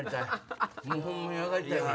もうホンマに上がりたいねん。